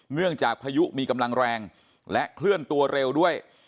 เนื่องจากพายุมีกำลังแรงและเคลื่อนตัวเร็วด้วย